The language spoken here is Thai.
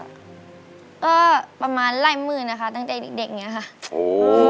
ก็ประมาณไร่หมื่นนะคะตั้งแต่เด็กเนี้ยค่ะโอ้โห